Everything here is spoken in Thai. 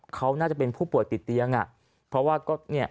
เขาน่าจะเป็นผู้ป่วยติดเตียงอ่ะเพราะว่าก็เนี่ย